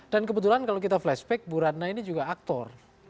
dan kebetulan kalau kita flashback bu ratna ini juga aktor